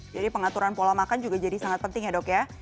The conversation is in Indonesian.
jadi pengaturan pola makan juga jadi sangat penting ya dok ya